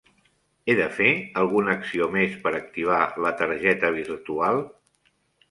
He de fer alguna acció més per activar la targeta virtual?